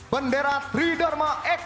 pandangan kita ke langit